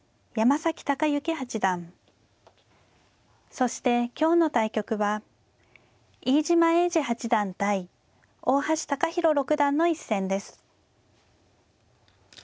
そして今日の対局は飯島栄治八段対大橋貴洸六段の一戦です。